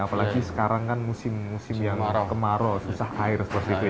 apalagi sekarang kan musim musim yang kemarau susah air